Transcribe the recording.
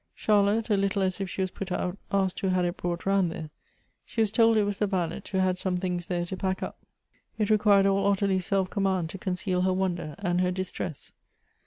Charlotte, a little as if she was put out, asked who had it brought round there. She was told it was the valet, who had some things there to pack up. It required all Ottilie's self command to conceal her wonder and her distress.